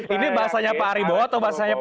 ini bahasanya pak ariwibowo atau